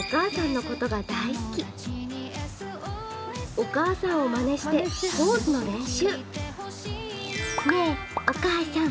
お母さんをまねしてポーズの練習。